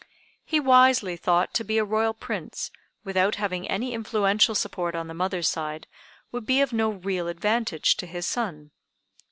He wisely thought to be a Royal Prince, without having any influential support on the mother's side, would be of no real advantage to his son.